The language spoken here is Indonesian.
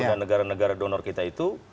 dan negara negara donor kita itu